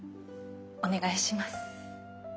お願いします。